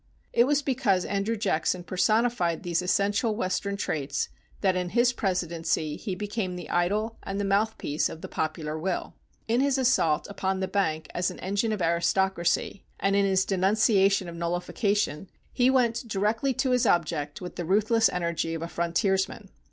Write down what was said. It was because Andrew Jackson personified these essential Western traits that in his presidency he became the idol and the mouthpiece of the popular will. In his assault upon the Bank as an engine of aristocracy, and in his denunciation of nullification, he went directly to his object with the ruthless energy of a frontiersman.